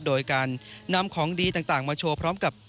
โดยการนำของดีต่างมาโชว์พร้อมกับ